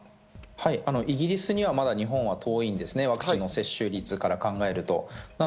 イギリスにはまだ日本は遠いんです、ワクチンの接種率から考えると。